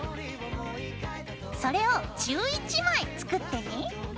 それを１１枚作ってね。